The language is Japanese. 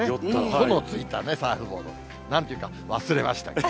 帆のついたサーフボード、なんていうか忘れました。